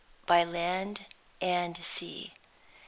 BY LAND AND SEA.